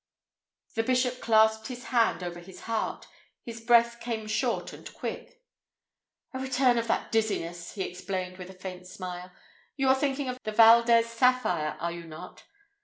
The bishop clasped his hand over his heart. His breath came short and quick. "A return of that dizziness," he explained with a faint smile. "You are thinking of the Valdez sapphire, are you not?